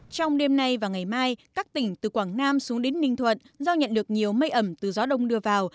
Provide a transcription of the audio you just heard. trong đêm nay và ngày mai các tỉnh từ quảng nam xuống đến ninh thuận do nhận được nhiều mây ẩm từ gió đông đưa vào